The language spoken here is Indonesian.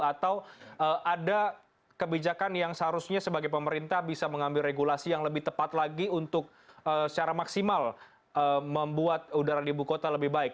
atau ada kebijakan yang seharusnya sebagai pemerintah bisa mengambil regulasi yang lebih tepat lagi untuk secara maksimal membuat udara di ibu kota lebih baik